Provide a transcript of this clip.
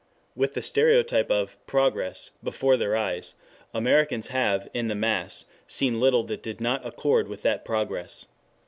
With the stereotype of "progress" before their eyes, Americans have in the mass seen little that did not accord with that progress.